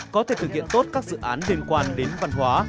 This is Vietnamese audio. có thể thực hiện tốt các dự án liên quan đến văn hóa